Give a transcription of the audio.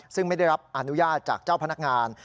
ซึ่งไม่ได้รับอนุญาตจากเจ้าพนักงาน